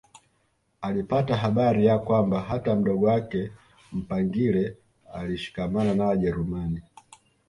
Alipata habari ya kwamba hata mdogo wake Mpangile alishikamana na Wajerumani